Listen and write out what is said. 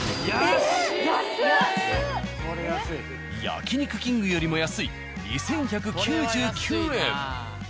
「焼肉きんぐ」よりも安い２，１９９円。